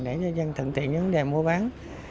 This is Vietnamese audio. để cho dân thận tiện những đề mua bán